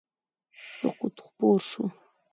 سکوت خپور شو.